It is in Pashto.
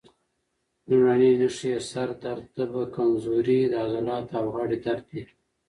لومړنۍ نښې یې سر درد، تبه، کمزوري، د عضلاتو او غاړې درد دي.